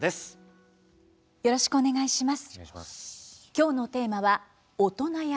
よろしくお願いします。